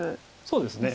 そうですね。